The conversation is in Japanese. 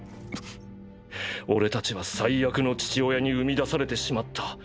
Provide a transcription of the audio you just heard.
俺たちは最悪の父親に産み出されてしまった哀れな被害者だ。